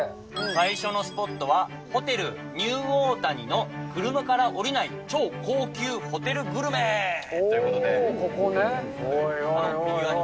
最初のスポットは、ホテルニューオータニの車から降りない超高級ホテルグルメ！といここね。